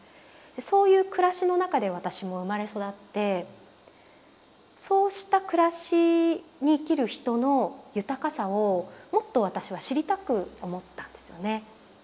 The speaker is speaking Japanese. そういう暮らしの中で私も生まれ育ってそうした暮らしに生きる人の豊かさをもっと私は知りたく思ったんですよね。